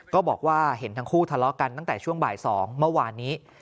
ก็บอกว่าเห็นทั้งคู่ทะเลาะกันตั้งแต่ช่วงบ่าย๒เมื่อวานนี้